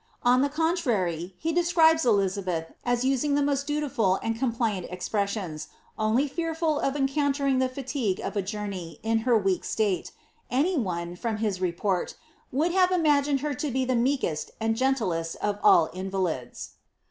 On the contrary, he describes Eliza beth as using the most dutiful and compliant expressions, only fearful of encountering the fatigue of a journey in her weak state ; any one, from his report, would imagine her to be the meekest and gentlest of all iuTahds.